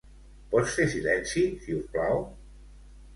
Pots fer silenci, si us plau?